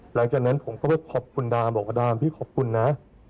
หลังจากนั้นผมก็ไปขอบคุณดามบอกว่าดามพี่ขอบคุณนะ